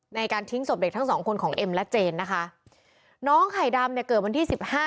ในการทิ้งศพเด็กทั้งสองคนของเอ็มและเจนนะคะน้องไข่ดำเนี่ยเกิดวันที่สิบห้า